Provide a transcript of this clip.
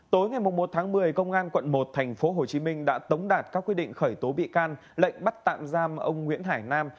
tối ngày một tháng một mươi công an quận một tp hcm đã tống đạt các quyết định khởi tố bị can lệnh bắt tạm giam ông nguyễn hải nam